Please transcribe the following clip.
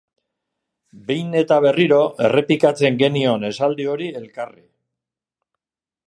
Behin eta berriro errepikatzen genion esaldi hori elkarri.